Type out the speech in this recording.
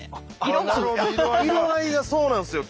色合いがそうなんですよ